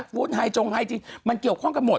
ฟู้ดไฮจงไอจีมันเกี่ยวข้องกันหมด